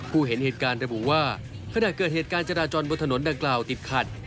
เห็นเหตุการณ์ระบุว่าขณะเกิดเหตุการณ์จราจรบนถนนดังกล่าวติดขัด